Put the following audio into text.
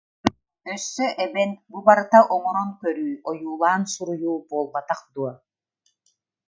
Өссө эбэн: «Бу барыта оҥорон көрүү, ойуулаан суруйуу буолбатах дуо